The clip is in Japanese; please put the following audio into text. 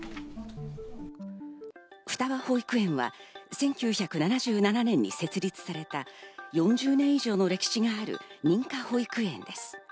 双葉保育園は１９７７年に設立された４０年以上の歴史がある認可保育園です。